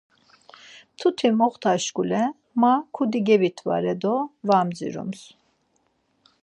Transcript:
Mtuti moxta şkule ma kudi gebitvare do var mdziroms.